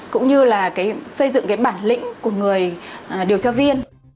cũng như là xây dựng bản lĩnh của người điều tra viên